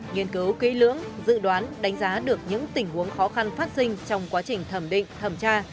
nghiên cứu kỹ lưỡng dự đoán đánh giá được những tình huống khó khăn phát sinh trong quá trình thẩm định thẩm tra